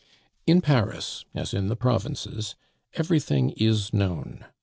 In Paris, as in the provinces, everything is known.